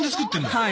はい。